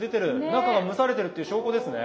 中が蒸されてるっていう証拠ですね。